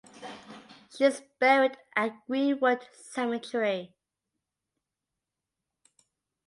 She is buried at Greenwood Cemetery.